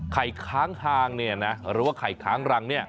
ค้างคางหรือว่าไข่ค้างรัง